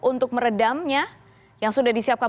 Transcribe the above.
untuk meredamnya yang sudah disiapkan